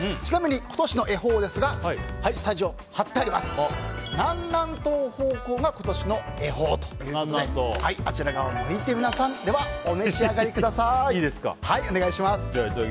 今年の恵方は、南南東方向が今年の恵方ということであちら側を向いて皆さんお召し上がりください。